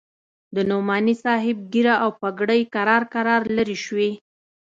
د نعماني صاحب ږيره او پګړۍ کرار کرار لرې سوې.